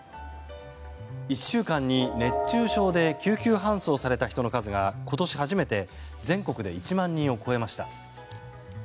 １週間に熱中症で救急搬送された人の数が今年初めて全国で１万人を超えました。